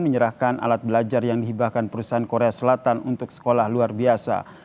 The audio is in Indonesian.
menyerahkan alat belajar yang dihibahkan perusahaan korea selatan untuk sekolah luar biasa